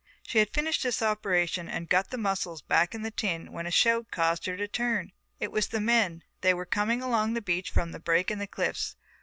She had finished this operation and had got the mussels back in the tin when a shout caused her to turn. It was the men, they were coming along the beach from the break in the cliffs.